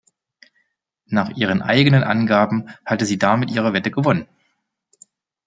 Nach ihren eigenen Angaben hatte sie damit ihre Wette gewonnen.